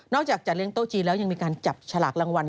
จากจะเลี้ยโต๊ะจีนแล้วยังมีการจับฉลากรางวัล